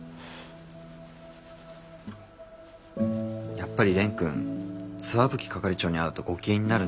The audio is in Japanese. やっぱり蓮くん石蕗係長に会うとご機嫌になるんだよね。